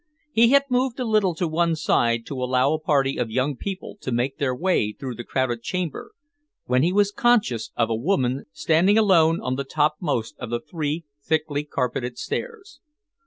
He had moved a little to one side to allow a party of young people to make their way through the crowded chamber, when he was conscious of a woman standing alone on the topmost of the three thickly carpeted stairs.